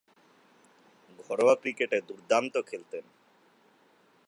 ঘরোয়া ক্রিকেটে দূর্দান্ত খেলতেন।